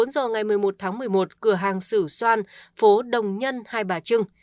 bốn giờ ngày một mươi một tháng một mươi một cửa hàng sử xoan phố đồng nhân hai bà trưng